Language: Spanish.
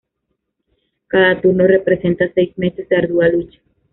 Cada turno representa seis meses de ardua lucha.